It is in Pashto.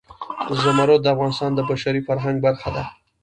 زمرد د افغانستان د بشري فرهنګ برخه ده.